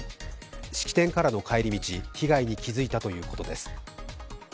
式典からの帰り道被害に気づいたということです。